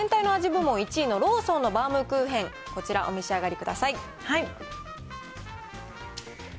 部門１位のローソンのバウムクーヘン、こちらお召し上がりください。